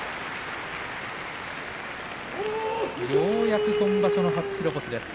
ようやく今場所の初白星です。